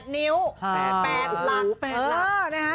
๘นิ้ว๘หลัก